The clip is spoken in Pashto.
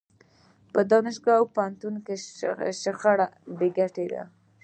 په دانشګاه او پوهنتون شخړه بې ګټې ده.